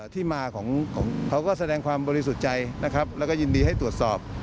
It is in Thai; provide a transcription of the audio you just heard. ที่มาของเขาก็แสดงความบริสุทธิ์ใจนะครับแล้วก็ยินดีให้ตรวจสอบ